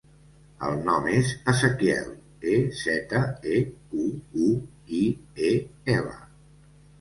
El nom és Ezequiel: e, zeta, e, cu, u, i, e, ela.